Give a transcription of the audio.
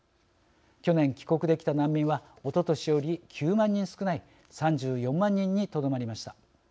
去年、帰国できた難民はおととしより９万人少ない３４万人にとどまりました。